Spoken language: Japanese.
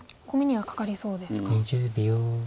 コミにはかかりそうですか。